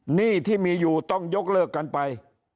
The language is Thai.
หนี้ที่มีอยู่ต้องยกเลิกกันไป